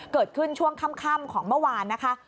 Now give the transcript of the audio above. เกิดขึ้นช่วงค่ำของเมื่อวานนะคะ